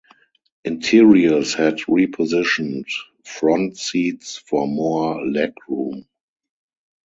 Interiors had repositioned front seats for more legroom.